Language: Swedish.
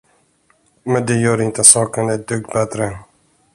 Men det gör inte saken ett dugg bättre!